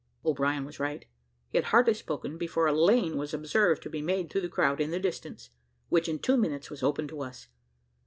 O'Brien was right. He had hardly spoken, before a lane was observed to be made through the crowd in the distance, which in two minutes was open to us.